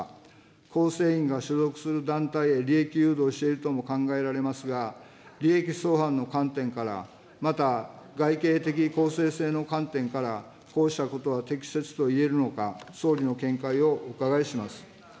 構成員が所属する団体へ利益誘導しているとも考えられますが、利益相反の観点から、また外形的公正性の観点から、こうしたことは適切といえるのか、総理の見解をお伺いします。